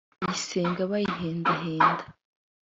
. Bayisenga: Bayihendahenda.